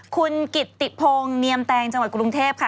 คุณกิดติภองเนียมแตงจังหวัดกรุงเทพฯ